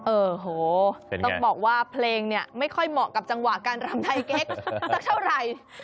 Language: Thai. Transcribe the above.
โอ้โหต้องบอกว่าเพลงเนี่ยไม่ค่อยเหมาะกับจังหวะการรำไทยเก๊กสักเท่าไหร่